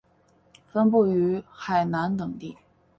分布于海南等地。